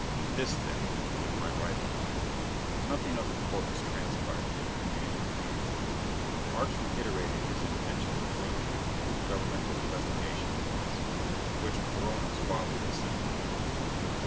This, then, was my rival! Nothing of importance transpired during the remainder of that interview. Markes reiterated his intention of making a complete governmental investigation at once. To which Perona suavely assented.